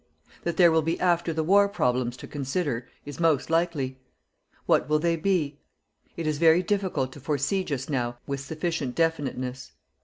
That there will be after the war problems to consider, is most likely. What will they be? It is very difficult to foresee just now with sufficient definiteness.